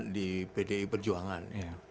di pdi perjuangan